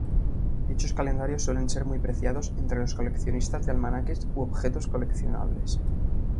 Dichos calendarios suelen ser muy preciados entre los coleccionistas de almanaques u objetos coleccionables.